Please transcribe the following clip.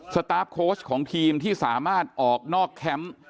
สตาร์ฟโค้ชของทีมที่สามารถออกนอกแคมป์